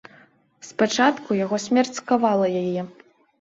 Спачатку яго смерць скавала яе.